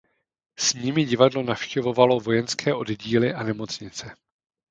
S nimi divadlo navštěvovalo vojenské oddíly a nemocnice.